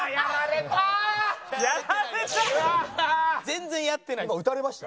全然やってないです。